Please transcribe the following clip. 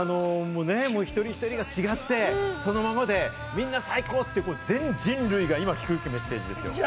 一人一人が違って、そのままでみんな最高って、全人類が今、響くメッセージですよ。